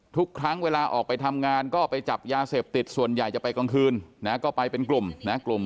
ทุกครั้งเวลาออกไปทำงานก็ไปจับยาเสพติดส่วนใหญ่จะไปกลางคืนนะก็ไปเป็นกลุ่มนะกลุ่ม